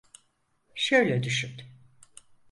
Şöyle düşün.